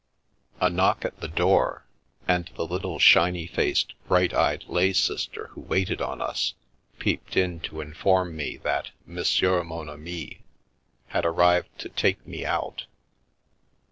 A knock at the door, and the little shiny faced, bright eyed lay sister who waited on us, peeped in to inform me that " Monsieur mon ami " had arrived to take me out.